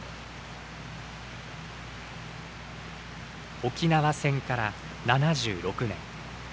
沖縄戦から、７６年。